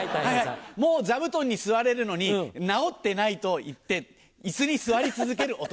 もう座布団に座れるのに治ってないと言って椅子に座り続けるお隣さん。